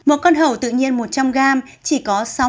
một con hầu tự nhiên một trăm linh gram chỉ có